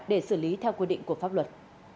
để xử lý theo quy định của pháp luật